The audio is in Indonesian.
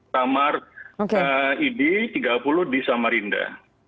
kamar id tiga puluh di samarinda